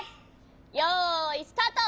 よいスタート！